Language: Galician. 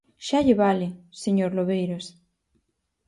¡Xa lle vale, señor Lobeiras!